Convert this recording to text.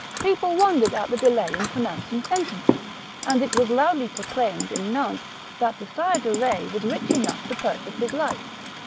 People wondered at the delay in pronouncing sentence, and it was loudly proclaimed in Nantes that the Sire de Eetz was rich enough to pur chase his life.